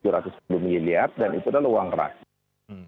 rp tujuh ratus sepuluh miliar dan itu adalah uang rakyat